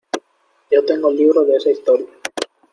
yo tengo el libro de esa Historia.